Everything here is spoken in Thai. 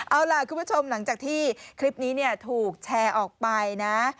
เอาล่ะคุณผู้ชมหลังจากที่คลิปนี้ถูกแชร์ออกไปนะ